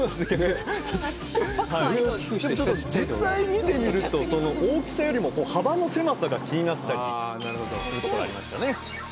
実際見てみるとその大きさよりも幅の狭さが気になったりすることがありましたね